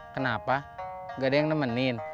kenapa nggak ada yang nemenin